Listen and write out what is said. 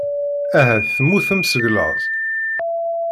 Ahat temmutem seg laẓ.